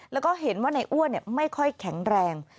แล้วก็เห็นว่าในอ้วนไม่ค่อยแข็งแรง